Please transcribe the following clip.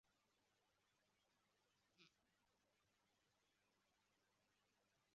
Ubushyo bwinyoni ziguruka zumurongo w'amashanyarazi zisubira mu kiraro cyazo